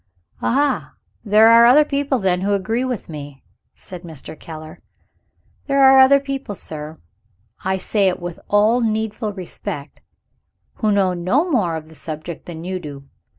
"Aha! there are other people then who agree with me?" said Mr. Keller. "There are other people, sir (I say it with all needful respect), who know no more of the subject than you do.